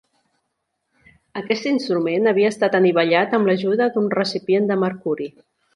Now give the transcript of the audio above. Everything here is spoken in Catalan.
Aquest instrument havia estat anivellat amb l'ajuda d'un recipient de mercuri.